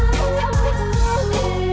tete aku mau